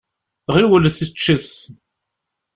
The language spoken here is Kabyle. Ɣiwlet ččet.